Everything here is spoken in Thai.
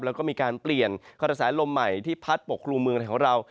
แล้วก็มีการเปลี่ยนความสะสายลมใหม่ที่พัดปกครูเมืองแต่ของเรา